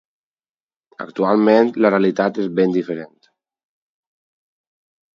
Actualment la realitat és ben diferent.